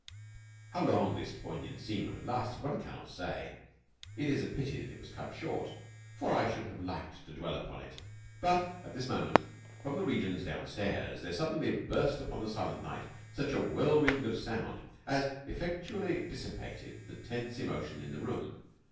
How long this poignant scene would have lasted, one cannot say. It is a pity that it was cut short, for I should have liked to dwell upon it. But at this moment, from the regions downstairs, there suddenly burst upon the silent night such a whirlwind of sound as effectually dissipated the tense emotion in the room.